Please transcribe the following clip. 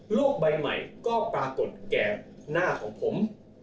ใบใหม่ก็ปรากฏแก่หน้าของผม